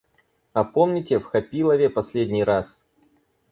А помните в Хапилове последний раз?